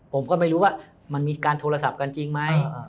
ผมก็ไม่รู้ว่ามันมีการโทรศัพท์กันจริงไหม